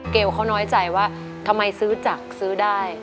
เกลเขาน้อยใจว่าทำไมซื้อจักรซื้อได้